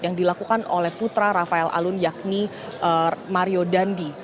yang dilakukan oleh putra rafael alun yakni mario dandi